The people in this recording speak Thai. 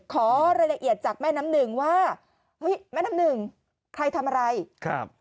ขอรายละเอียดจากแม่น้ำหนึ่งว่าเฮ้ยแม่น้ำหนึ่งใครทำอะไรครับ